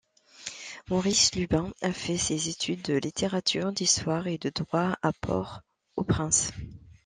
Maurice Lubin a fait ses études de littérature, d'histoire et de Droit à Port-au-Prince.